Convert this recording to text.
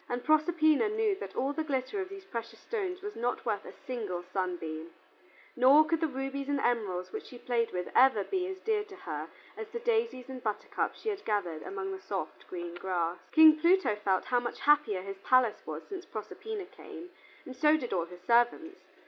And Proserpina knew that all the glitter of these precious stones was not worth a single sunbeam, nor could the rubies and emeralds which she played with ever be as dear to her as the daisies and buttercups she had gathered among the soft green grass. King Pluto felt how much happier his palace was since Proserpina came, and so did all his servants.